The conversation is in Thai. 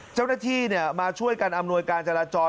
เจ้าหน้าที่มาช่วยกันอำนวยการจราจร